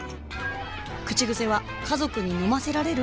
口癖は「家族に飲ませられる？」